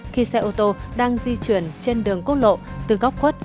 khi xe ô tô đang di chuyển trên đường cốt lộ từ góc khuất